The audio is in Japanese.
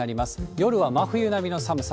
夜は真冬並みの寒さ。